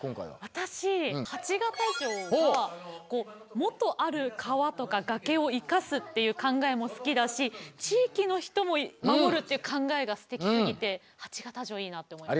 私鉢形城が元ある川とか崖を生かすという考えも好きだし地域の人も守るという考えがすてきすぎて鉢形城いいなって思いました。